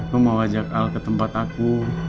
aku mau ajak al ketempat aku